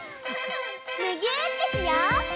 むぎゅーってしよう！